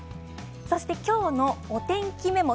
そして今日のお天気メモ